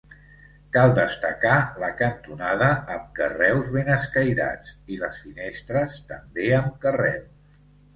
Cal destacar la cantonada amb carreus ben escairats i les finestres també amb carreus.